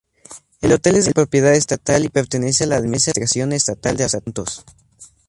El hotel es de propiedad estatal y pertenece a la Administración Estatal de Asuntos.